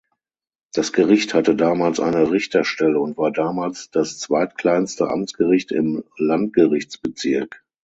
Das Gericht hatte damals eine Richterstelle und war damals das zweitkleinste Amtsgericht im Landgerichtsbezirk.